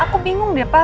aku bingung deh pak